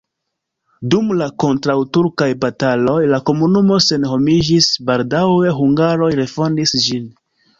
Dum la kontraŭturkaj bataloj la komunumo senhomiĝis, baldaŭe hungaroj refondis ĝin.